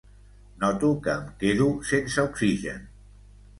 Noto que em quedo sense oxigen.